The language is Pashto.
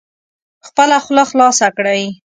خپله خوله خلاصه کړئ